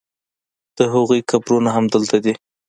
د هغوی قبرونه همدلته دي.